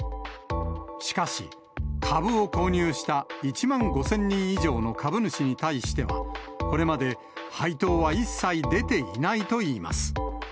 しかし、株を購入した１万５０００人以上の株主に対しては、これまで配当は一切出ていないといいます。